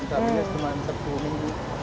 kita punya seteman sepuluh minggu